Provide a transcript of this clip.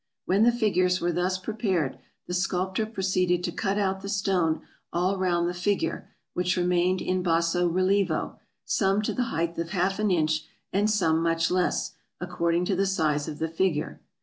When the figures were thus pre pared, the sculptor proceeded to cut out the stone all round the figure, which remained in basso rilievo, some to the height of half an inch and some much less, according to the size of the figure.